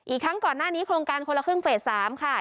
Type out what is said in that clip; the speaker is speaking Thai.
ทั้งก่อนหน้านี้โครงการคนละครึ่งเฟส๓ค่ะ